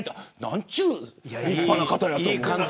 なんちゅう立派な方やと思って。